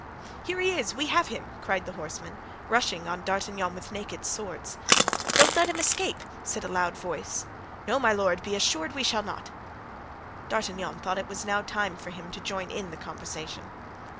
"Here he is! we have him!" cried the horsemen, rushing on D'Artagnan with naked swords. "Don't let him escape!" said a loud voice. "No, my lord; be assured we shall not." D'Artagnan thought it was now time for him to join in the conversation.